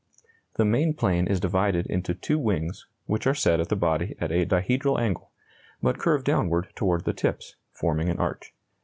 The main plane is divided into two wings, which are set at the body at a dihedral angle, but curve downward toward the tips, forming an arch.